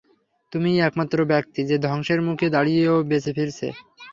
তুমিই একমাত্র ব্যক্তি যে ধ্বংসের মুখে দাঁড়িয়েও বেঁচে ফিরেছ!